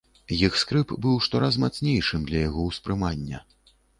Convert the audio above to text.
Іх скрып быў штораз мацнейшым для яго ўспрымання.